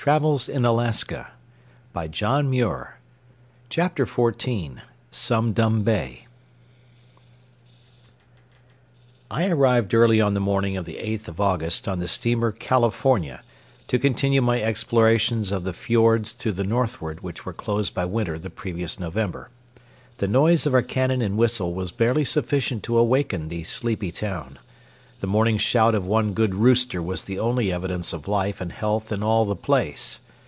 Part II The Trip of 1880 Chapter XIV Sum Dum Bay I arrived early on the morning of the eighth of August on the steamer California to continue my explorations of the fiords to the northward which were closed by winter the previous November. The noise of our cannon and whistle was barely sufficient to awaken the sleepy town. The morning shout of one good rooster was the only evidence of life and health in all the place.